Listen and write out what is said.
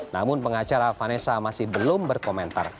namun pengacara vanessa masih belum berkomentar